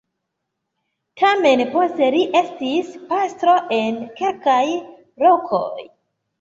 Tamen poste li estis pastro en kelkaj lokoj.